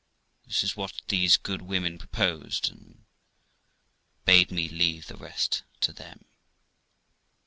This was what these good women proposed, and bade me leave the rest to them.